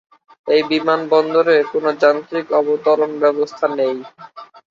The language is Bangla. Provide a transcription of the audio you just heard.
এই বিমানবন্দরে কোন যান্ত্রিক অবতরন ব্যবস্থা নেই।